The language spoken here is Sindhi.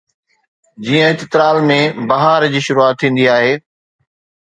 جيئن چترال ۾ بهار جي شروعات ٿيندي آهي